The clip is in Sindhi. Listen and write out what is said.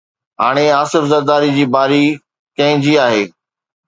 هاڻي آصف زرداريءَ جي باري ڪنهن جي آهي؟